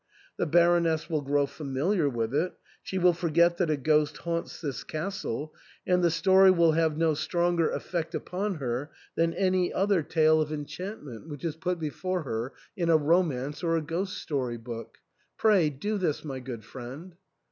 The Baroness will grow familiar with it ; she will forget that a ghost haunts this castle ; and the story will have no stronger effect upon her than any other tale of enchantment 1 268 THE ENTAIL. which is put before her in a romance or a ghost story book. Pray, do this, my good friend."